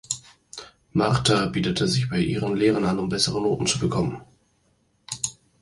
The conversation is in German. Marta biederte sich bei ihren Lehrern an, um bessere Noten zu bekommen.